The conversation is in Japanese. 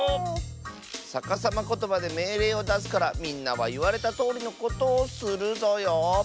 さかさまことばでめいれいをだすからみんなはいわれたとおりのことをするぞよ！